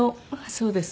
そうです。